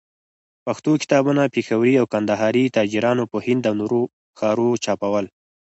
پښتو کتابونه، پېښوري او کندهاري تاجرانو په هند او نورو ښارو چاپول.